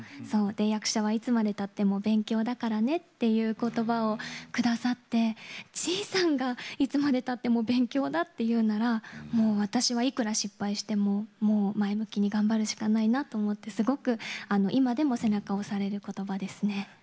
役者はいつまでたっても勉強だからねっていうことばをくださって地井さんが、いつまでたっても勉強だって言うならもう私はいくら失敗しても前向きに頑張るしかないなとすごく今でも背中を押されることばですね。